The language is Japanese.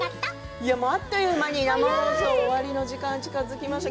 あっという間に生放送終わりの時間が近づきました。